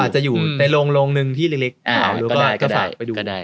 อาจจะอยู่ในโรงหนึ่งที่เล็กอ่ารึเปล่าก็ฝากไปดู